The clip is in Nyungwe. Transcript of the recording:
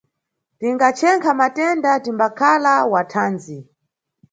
Tingachenkha matenda, timbakhala wa thandzi.